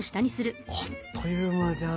あっという間じゃん。